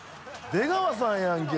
出川さんやんけ。